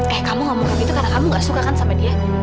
eh kamu ngomong gitu karena kamu gak suka kan sama dia